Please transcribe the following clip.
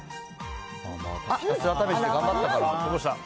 ひたすら試してで頑張ったから。